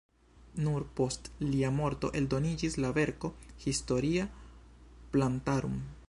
Nur post lia morto eldoniĝis la verko "Historia plantarum".